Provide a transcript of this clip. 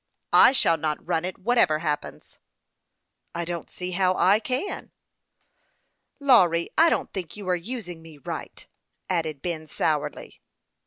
" I shall not run it, Avhatever happens." " I don't see how I can." " Lawry, I don't think you are using me right," added Ben, sourly.